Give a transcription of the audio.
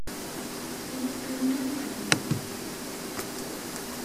Ad yi-qilen, i wudem-im.